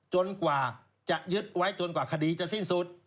กว่าจะยึดไว้จนกว่าคดีจะสิ้นสุด